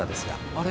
あれ？